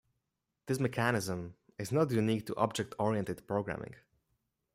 This mechanism is not unique to object-oriented programming.